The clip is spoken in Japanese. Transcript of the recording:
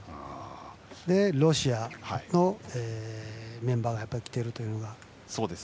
そしてロシアのメンバーがきているというのが。